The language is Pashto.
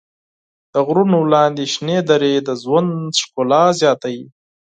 د غرونو لاندې شنې درې د ژوند ښکلا زیاتوي.